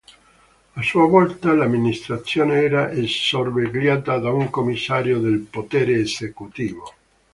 A sua volta, l'amministrazione era sorvegliata da un commissario del potere esecutivo.